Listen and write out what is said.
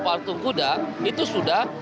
pak artung kuda itu sudah